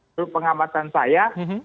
menurut pengamatan saya